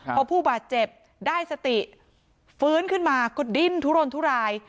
พอผู้บาดเจ็บได้สติฟื้นขึ้นมาก็ดิ้นทุรนทุราย